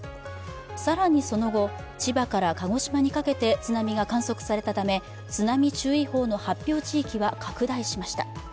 更にその後、千葉から鹿児島にかけて津波が観測されたため、津波注意報の発表地域は拡大しました。